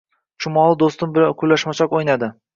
Chumoli do’stim bilan quvlashmachoq o’ynadi